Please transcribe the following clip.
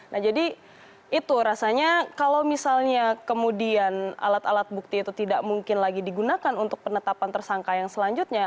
nah jadi itu rasanya kalau misalnya kemudian alat alat bukti itu tidak mungkin lagi digunakan untuk penetapan tersangka yang selanjutnya